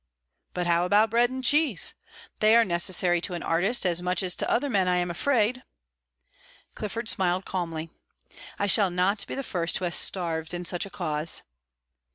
"But how about bread and cheese? They are necessary to an artist, as much as to other men, I'm afraid." Clifford smiled calmly. "I shall not be the first who has starved in such a cause."